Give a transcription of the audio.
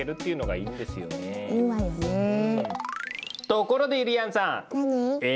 ところでゆりやんさん！何？